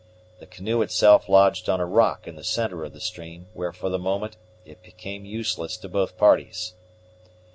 The canoe itself lodged on a rock in the centre of the stream, where for the moment it became useless to both parties.